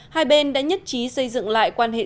hai bên đã nhất trí xây dựng lại quan hệ